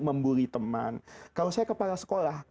membuli teman kalau saya kepala sekolah